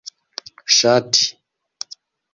ŝati